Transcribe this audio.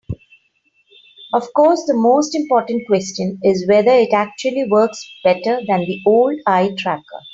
Of course, the most important question is whether it actually works better than the old eye tracker.